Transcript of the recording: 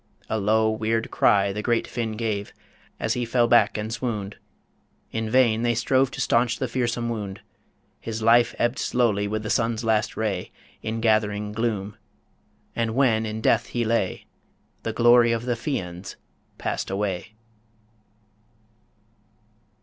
A low, weird cry The great Finn gave, as he fell back and swooned In vain they strove to stanch the fearsome wound His life ebbed slowly with the sun's last ray In gathering gloom ... And when in death he lay, The glory of the Fians passed away.